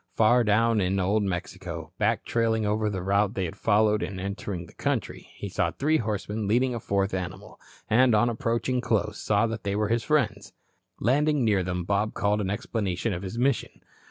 Far down in Old Mexico, back trailing over the route they had followed in entering the country, he saw three horsemen leading a fourth animal, and on approaching close, saw they were his friends. Landing near them, Bob called an explanation of his mission.